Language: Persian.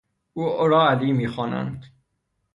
او را علی میخوانند.